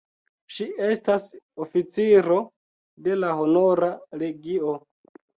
Ŝi estas oficiro de la Honora Legio.